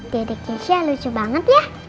daddy kesia lucu banget ya